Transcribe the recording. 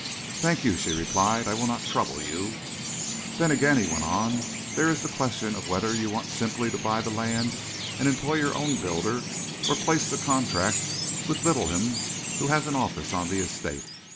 "Thank you," she replied, "I will not trouble you." "Then again," he went on, "there is the question of whether you want simply to buy the land and employ your own builder, or place the contract with Littleham, who has an office on the Estate.